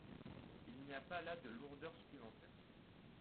Il n’y a pas là de lourdeur supplémentaire.